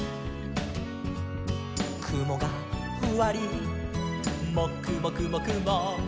「くもがふわりもくもくもくも」